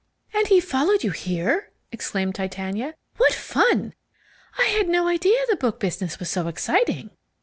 "And he followed you here?" exclaimed Titania. "What fun! I had no idea the book business was so exciting."